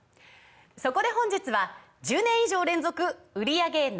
そこで本日は１０年以上連続売り上げＮｏ．１